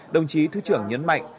đồng chí thứ trưởng nhấn mạnh